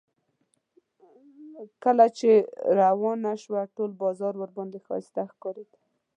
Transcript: کله چې روانه شوه ټول بازار ورباندې ښایسته ښکارېده.